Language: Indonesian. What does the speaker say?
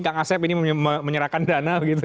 kak asep ini menyerahkan dana